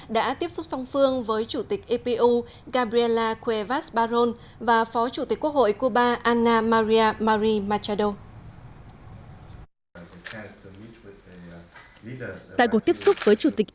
đã tiếp xúc song phương với chủ tịch ipu gabriela cuevas barron